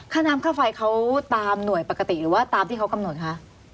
ค่าน้ำค่าไฟเขาตามหน่วยปกติหรือว่าตามที่เขากำหนดคะ